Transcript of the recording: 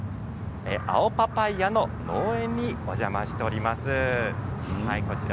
青パパイアの農園にお邪魔しています。